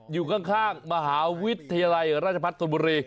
อยู่ข้างมหาวิทยาลัยราชพัฒนธนบุรี